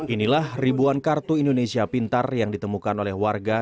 inilah ribuan kartu indonesia pintar yang ditemukan oleh warga